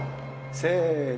せの！